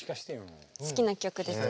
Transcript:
好きな曲ですか？